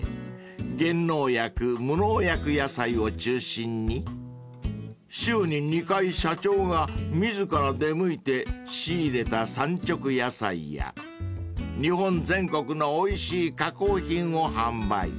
［減農薬・無農薬野菜を中心に週に２回社長が自ら出向いて仕入れた産直野菜や日本全国のおいしい加工品を販売］